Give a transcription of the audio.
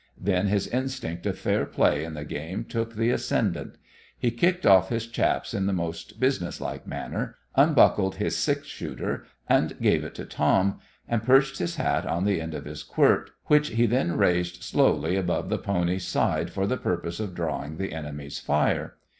Then his instinct of fair play in the game took the ascendant. He kicked off his chaps in the most business like manner, unbuckled his six shooter and gave it to Tom, and perched his hat on the end of his quirt, which he then raised slowly above the pony's side for the purpose of drawing the enemy's fire.